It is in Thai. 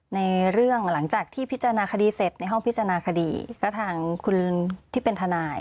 ในเรื่องหลังจากที่พิจารณาคดีเสร็จในห้องพิจารณาคดีก็ทางคุณลุงที่เป็นทนาย